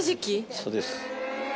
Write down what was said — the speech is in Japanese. そうです。